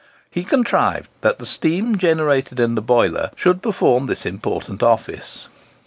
He contrived that the steam generated in the boiler should perform this important office.